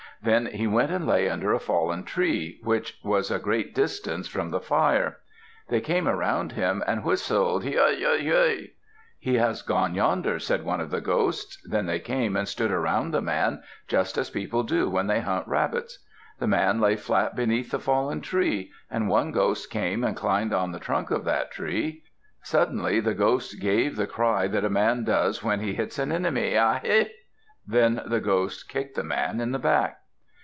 Then he went and lay under a fallen tree, which was a great distance from the fire. They came around him and whistled, "Hyu! hyu! hyu!" "He has gone yonder," said one of the ghosts. Then they came and stood around the man, just as people do when they hunt rabbits. The man lay flat beneath the fallen tree, and one ghost came and climbed on the trunk of that tree. Suddenly the ghost gave the cry that a man does when he hits an enemy, "A he!" Then the ghost kicked the man in the back.